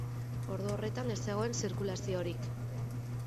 Ordu horretan ez zegoen zirkulaziorik.